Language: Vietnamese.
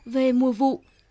về mua vụ